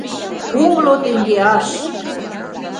Кумло теҥгеаш!